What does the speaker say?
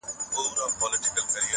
انسانان هڅه کوي هېر کړي خو زړه نه مني,